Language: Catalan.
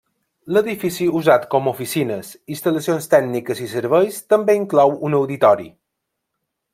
L'edifici usat com a oficines, instal·lacions tècniques i serveis també inclou un auditori.